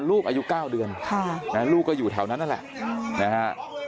ลูกอายุ๙เดือนลูกก็อยู่แถวนั้นนั่นแหละนะฮะ